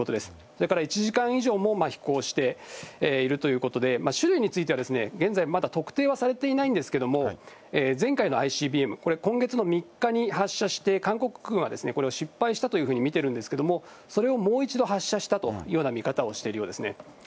それから１時間以上も飛行しているということで、種類については現在まだ特定はされていないんですけれども、前回のＩＣＢＭ、これ、今月の３日に発射して、韓国軍はこれを失敗したというふうに見ているんですけれども、それをもう一度発射したというような見方をしているようですね。